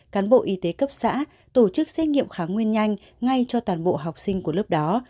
cán bộ y tế cấp xã tổ chức xét nghiệm kháng nguyên nhanh ngay cho toàn bộ học sinh của lớp đó